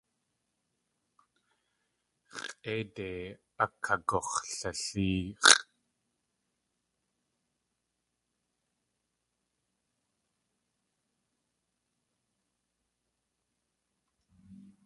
X̲ʼéide akagux̲latéex̲ʼ.